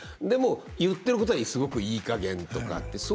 でも言ってることはすごくいいかげんとかって。